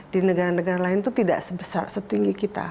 di negara negara lain itu tidak setinggi kita